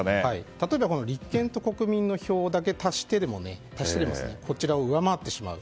例えば立憲と国民の票を足してでもこちらを上回ってしまう。